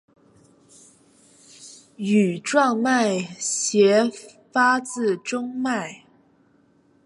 羽状脉斜发自中脉。